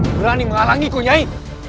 berani menghalangi kau nyi